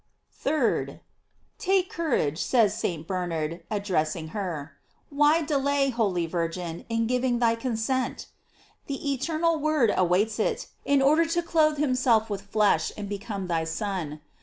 3rd. Take courage, says St. Bernard, addressing her ; why delay, holy Virgin, in giving thy con sent ? The eternal Word awaits it, in order to clothe himself with flesh, and become thy Son.